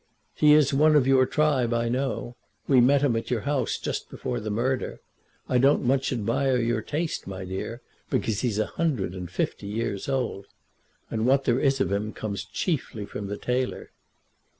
"He is one of your tribe, I know. We met him at your house just before the murder. I don't much admire your taste, my dear, because he's a hundred and fifty years old; and what there is of him comes chiefly from the tailor."